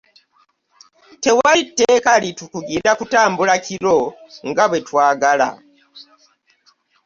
Tewali tteeka litukugira kutambula kiro nga bwe twagala.